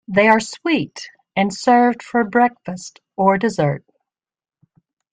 They are sweet and served for breakfast or dessert.